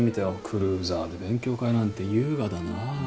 クルーザーで勉強会なんて優雅だな。